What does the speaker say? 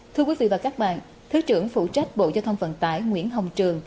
thưa quý vị và các bạn thứ trưởng phụ trách bộ giao thông vận tải nguyễn hồng trường